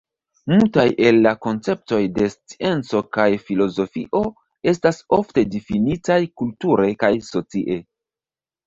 Multaj el la konceptoj de scienco kaj filozofio estas ofte difinitaj kulture kaj socie.